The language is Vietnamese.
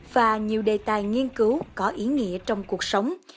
và nhiều đề tài nghiên cứu có ý nghĩa trong cuộc sống